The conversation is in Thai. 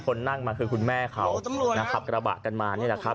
คนนั่งมาคือคุณแม่เขานะครับกระบะกันมานี่แหละครับ